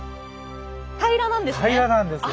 平らなんですよ。